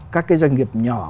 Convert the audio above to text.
các cái doanh nghiệp nhỏ